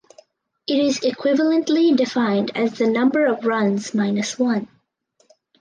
It is equivalently defined as the number of runs minus one.